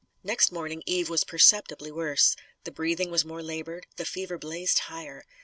Next morning Eve was perceptibly worse: the breathing was more laboured; the fever blazed higher.